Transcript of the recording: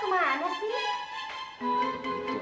kok ambilnya enggak ada juga